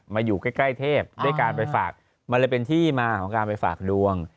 อยู่ใกล้เทพด้วยการไปฝากมันเลยเป็นที่มาของการไปฝากดวง